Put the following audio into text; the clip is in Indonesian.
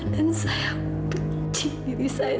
dan saya benci diri saya